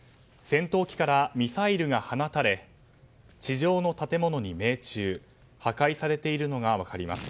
戦闘機からミサイルが放たれ地上の建物に命中破壊されているのが分かります。